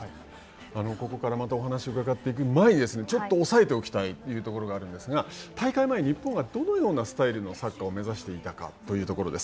ここからまた、お話を伺っていく前にちょっと抑えておきたいというところがあるんですが、大会前、日本がどのようなサッカーを目指していたかというところです。